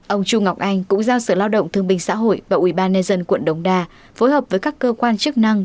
ông chu ngọc anh cũng giao sở lao động thương binh xã hội và ubnd quận đống đa phối hợp với các cơ quan chức năng